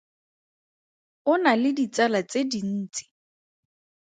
O na le ditsala tse dintsi.